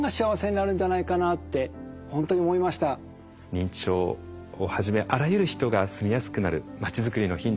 認知症をはじめあらゆる人が住みやすくなる町づくりのヒント